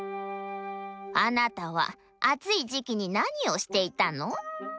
「あなたは暑い時季に何をしていたの？」。